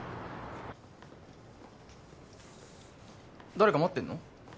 誰か待ってんの？